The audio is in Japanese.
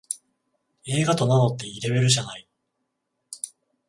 映画と名乗っていいレベルじゃない